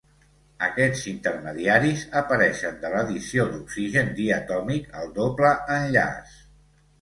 Aquests intermediaris apareixen de l'addició d'oxigen diatòmic al doble enllaç.